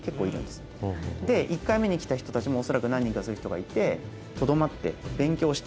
で１回目に来た人たちもおそらく何人かそういう人がいてとどまって勉強して。